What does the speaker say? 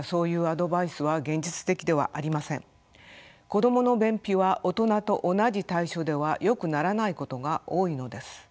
子どもの便秘は大人と同じ対処ではよくならないことが多いのです。